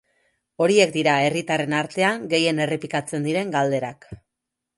Horiek dira herritarren artean gehien errepikatzen diren galderak.